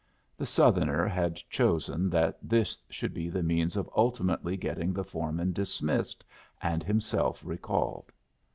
The Southerner had chosen that this should be the means of ultimately getting the foreman dismissed and himself recalled.